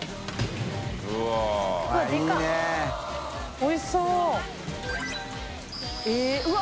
おいしそう！